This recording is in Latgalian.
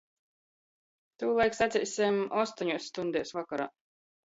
Tūlaik, saceisim, ostoņuos stuņdēs vokorā.